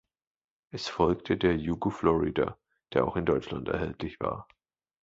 Es folgte der Yugo Florida, der auch in Deutschland erhältlich war.